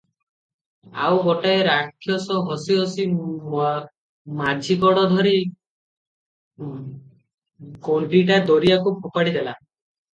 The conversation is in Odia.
ଆଉ ଗୋଟାଏ ରାକ୍ଷସ ହସି ହସି ମାଝି ଗୋଡ ଧରି ଗଣ୍ଡିଟା ଦରିଆକୁ ଫୋପାଡ଼ି ଦେଲା ।